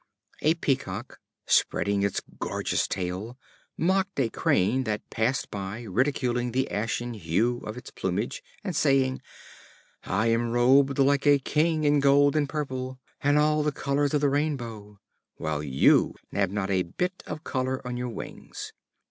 A Peacock, spreading its gorgeous tail, mocked a Crane that passed by, ridiculing the ashen hue of its plumage, and saying: "I am robed like a king, in gold and purple, and all the colors of the rainbow; while you have not a bit of color on your wings."